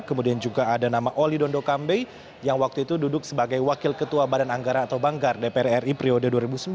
kemudian juga ada nama oli dondo kambe yang waktu itu duduk sebagai wakil ketua badan anggaran atau banggar dpr ri periode dua ribu sembilan belas dua ribu dua